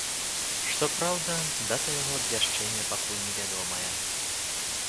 Што праўда, дата яго абвяшчэння пакуль невядомая.